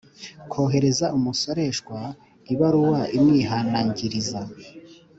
koherereza umusoreshwa ibaruwa imwihanangiriza